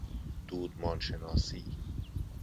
دودمان شناسی